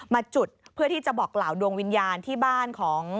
มาจุดเพื่อที่จะบอกกล่าวดวงวิญญาณที่บ้านของ